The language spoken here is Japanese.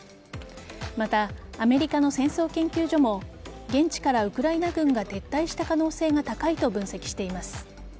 また、アメリカの戦争研究所も現地からウクライナ軍が撤退した可能性が高いと分析しています。